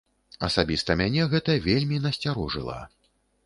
Асабіста мяне гэта вельмі насцярожыла.